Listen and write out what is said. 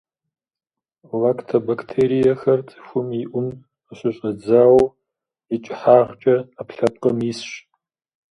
Лактобактериехэр – цӏыхум и ӏум къыщыщӏэдзауэ икӏыхьагъкӏэ ӏэпкълъэпкъым исщ.